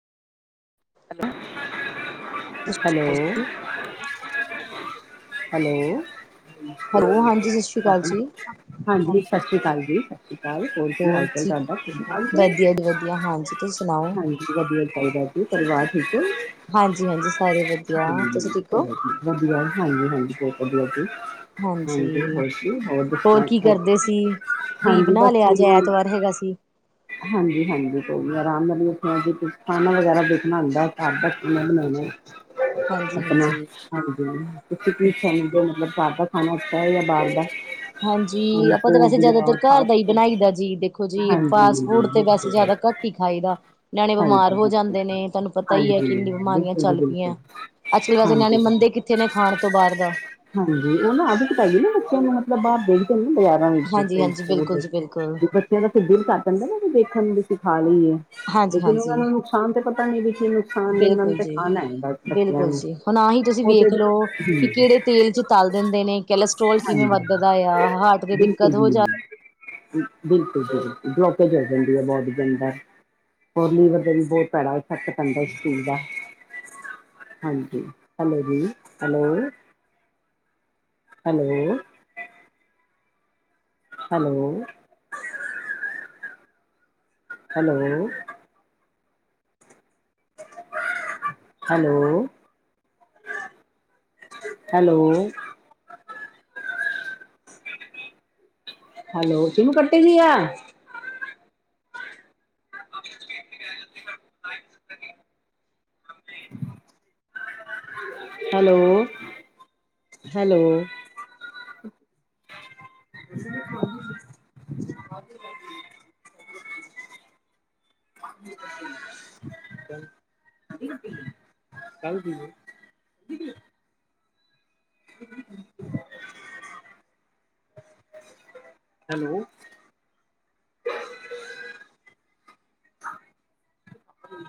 ਸਤਿ ਹੈਲੋ। ਸ਼੍ਰੀ ਅਕਾਲ ਜੀ, ਹੈਲੋ। ਹੈਲੋ ਹਾਂਜੀ ਸਤਿ ਸ਼੍ਰੀ ਅਕਾਲ ਜੀ, ਹਾਂਜੀ ਸਤਿ ਸ਼੍ਰੀ ਅਕਾਲ ਜੀ ਸਤਿ ਸ਼੍ਰੀ ਅਕਾਲ। ਹੋਰ ਕੀ ਹਾਲ ਚਾਲ ਤੁਹਾਡਾ ਠੀਕ ਠਾਕ ਜੇ ਵਧੀਆ ਜੀ ਵਧੀਆ ਹਾਂਜੀ ਤੁਸੀਂ ਸੁਣਾਓ? ਹਾਂਜੀ। ਵਧੀਆ ਚਾਹੀਦਾ ਜੀ ਪਰਿਵਾਰ ਠੀਕ ਐ। ਹਾਂਜੀ-ਹਾਂਜੀ ਸਾਰੇ ਵਧੀਆ। ਤੁਸੀਂ ਠੀਕ ਹੋ? ਚਲੋ ਜੀ ਵਧੀਆ ਹਾਂਜੀ-ਹਾਂਜੀ ਬਹੁਤ ਵਧੀਆ ਜੀ। ਹਾਂਜੀ ਹੋਰ ਜੀ ਹੋਰ ਦਸਣਾ ਕੀ ਹੋਰ। ਕਰਦੇ ਸੀ? ਕੀ ਹਾਂਜੀ ਬਣਾ ਬਸ ਲਿਆ ਅੱਜ ਐਤਵਾਰ ਹੈਗਾ ਸੀ, [unintelligible] ਹਾਂਜੀ-ਹਾਂਜੀ ਕੋਈ ਆਰਾਮ ਨਾਲ ਖਾਣਾ ਵਗੈਰਾ ਬਣਾਉਂਦਾ ਖਾਧਾ ਕਿੰਨੇ ਬਣਾਉਣਾ ਐ। ਆਪਣਾ ਹਾਂਜੀ ਤੁਸੀਂ ਕੀ ਸਮਝਦੇ ਹੋ। ਘਰ ਦਾ ਖਾਣਾ ਅੱਛਾ ਐ ਜਾਂ ਬਾਹਰ ਦਾ? ਹਾਂਜੀ ਆਪਾਂ ਤਾਂ ਵੈਸੇ ਫੂਡ ਜਾਂ ਜ਼ਿਆਦਾਤਰ ਘਰ ਦਾ ਹੀ ਫਾਸਟ ਫੂਡ ਬਣਾਈ ਦਾ ਜੀ ਦੇਖੋ ਜੀ। ਹਾਂਜੀ ਫਾਸਟ ਫੂਡ ਤੇ ਵੈਸੇ ਬਿਲਕੁਲ ਜ਼ਿਆਦਾ ਘੱਟ ਹੀ ਖਾਈ ਦਾ। ਨਿਆਣੇ ਹਾਂਜੀ ਬਿਮਾਰ ਹੋ ਬਿਲਕੁਲ ਜਾਂਦੇ ਨੇ ਤੁਹਾਨੂੰ ਪਤਾ ਪਤਾ ਹੀ ਹਾਂਜੀ ਹੈ ਕਿੰਨੀ ਬਿਮਾਰੀਆਂ ਬਿਲਕੁਲ ਜੀ ਚੱਲ ਪਈਆਂ। ਬਿਲਕੁਲ ਅੱਜ ਕੱਲ੍ਹ ਵੈਸੇ ਨਿਆਣੇ ਹਾਂਜੀ ਹਾਂ ਮੰਨਦੇ ਕਿੱਥੇ ਨੇ ਖਾਣ ਤੋਂ ਬਾਹਰ ਦਾ। ਹਾਂਜੀ ਉਹ ਨਾ ਆਦਤ ਪੈ ਗਈ ਨਾ ਬੱਚਿਆਂ ਨੂੰ ਮਤਲਬ ਬਾਹਰ ਦੇਖ ਕੇ ਬਾਜ਼ਾਰ ਹਾਂਜੀ-ਹਾਂਜੀ [unintelligible] ਬਿਲਕੁਲ ਜੀ ਬਿਲਕੁਲ। ਦਿਲ ਕਰ ਪੈਂਦਾ ਨਾ ਦੇਖਣ ਨੂੰ ਵੀ ਅਸੀ ਖਾ ਲਈਏ ਲੇਕਿਨ ਉਹਨਾਂ ਹਾਂਜੀ-ਹਾਂਜੀ। ਨੂੰ ਨੁਕਸਾਨ ਤੇ ਪਤਾ ਪਤਾ ਨਹੀਂ ਇਹਦੇ ਕੀ ਨੁਕਸਾਨ ਐ ਉਹਨਾਂ ਨੇ ਬਿਲਕੁਲ ਤੇ ਜੀ ਖਾਣਾ ਬਸ ਬੱਚਿਆਂ ਬਿਲਕੁਲ ਨੂੰ ਜੀ ਹੁਣ ਆਹੀ ਉਹ ਤੇ ਹੂੰ। ਵਿੱਚ ਤਲ ਦਿੰਦੇ ਨੇ। ਕਲੈਸਟਰ੍ਰੋਲ ਕਿਵੇਂ ਹਾਂਜੀ ਵੱਧਦਾ ਆ ਹਾਰਟ ਤੇ ਦਿੱਕਤ ਹੋ ਜਾ ਬਿਲਕੁਲ-ਬਿਲਕੁਲ ਬਲੋਕੇਜ ਹੋ ਜਾਂਦੀ ਹੈ ਬੋਡੀ ਦੇ ਅੰਦਰ। ਲੀਵਰ ਦਾ ਵੀ ਬਹੁਤ ਭੈੜਾ ਫਰਕ ਪੈਂਦਾ ਐ ਇਸ ਚੀਜ਼ ਦਾ ਹਾਂਜੀ ਹੈਲੋ ਜੀ hello. Hello. Hello. Hello. Hello. Hello. Hello ਕਿਨੂੰ ਕੱਟੇ ਗਿਆ। ਹੈਲੋ-ਹੈਲੋ। [inaudible] ਕੱਲ ਦੀ ਐ। ਹੈਲੋ।